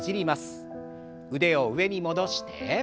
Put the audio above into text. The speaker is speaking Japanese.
腕を上に戻して。